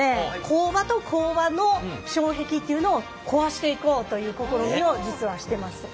工場と工場の障壁っていうのを壊していこうという試みを実はしてます。